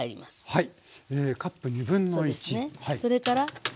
はい。